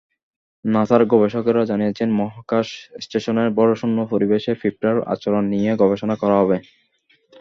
নাসার গবেষকেরা জানিয়েছেন, মহাকাশ স্টেশনের ভরশূন্য পরিবেশে পিঁপড়ার আচরণ নিয়ে গবেষণা করা হবে।